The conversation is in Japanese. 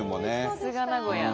さすが名古屋。